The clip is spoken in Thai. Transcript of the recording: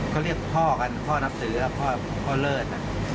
เขาเรียกพ่อกันพ่อนับสือพ่อเลิศ